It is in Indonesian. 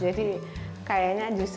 jadi kayaknya justru malu